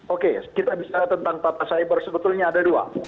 oke kita bisa tentang data cyber sebetulnya ada dua